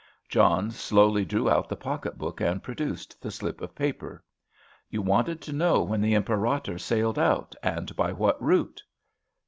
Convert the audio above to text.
John slowly drew out the pocket book and produced the slip of paper. "You wanted to know when the Imperator sailed out, and by what route."